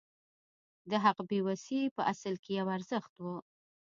د هغه بې وسي په اصل کې یو ارزښت و